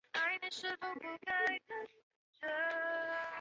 滇木姜子为樟科木姜子属下的一个种。